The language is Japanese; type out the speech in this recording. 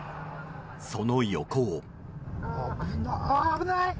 その横を。